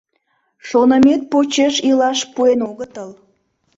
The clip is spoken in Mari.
— Шонымет почеш илаш пуэн огытыл.